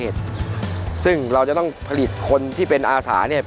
ซึ่งเราจะต้องผลิตคนที่เป็นอาสาเนี่ย